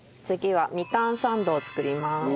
次はみかんサンドを作ります。